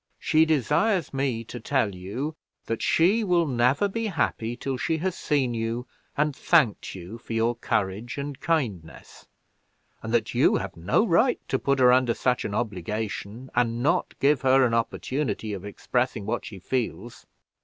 She desires me to tell you that she will never be happy till she has seen you, and thanked you for your courage and kindness; and that you have no right to put her under such an obligation, and not give her an opportunity of expressing what she feels.